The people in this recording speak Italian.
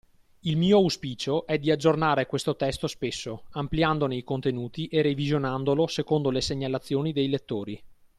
Il mio auspicio è di aggiornare questo testo spesso, ampliandone i contenuti e revisionandolo secondo le segnalazioni dei lettori.